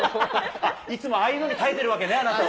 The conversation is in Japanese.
いつもああいうふうに耐えてるわけね、あなたは。